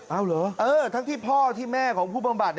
เอาเหรอทั้งที่พ่อที่แม่ของผู้บำบัด